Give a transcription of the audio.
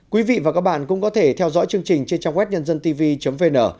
quý vị và các bạn cũng có thể theo dõi chương trình trên trang web nhân dân tv vn